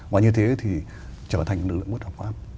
và như thế thì trở thành lực lượng bất hợp pháp